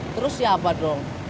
terus siapa dong